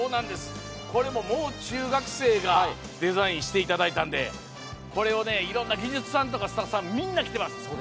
これも、もう中学生がデザインしていただいたんで、これをいろんな技術さんやスタッフさん、みんな着てます。